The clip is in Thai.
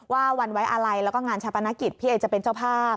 วันไว้อะไรแล้วก็งานชาปนกิจพี่เอจะเป็นเจ้าภาพ